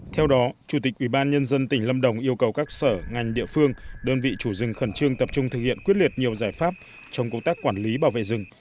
theo đó chủ tịch ubnd tỉnh lâm đồng yêu cầu các sở ngành địa phương đơn vị chủ rừng khẩn trương tập trung thực hiện quyết liệt nhiều giải pháp trong công tác quản lý bảo vệ rừng